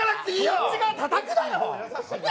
そっちがたたくなよ！